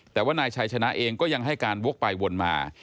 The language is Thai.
แต่ว่านายชัยชนะเองก็ยังให้การวกไปวนมา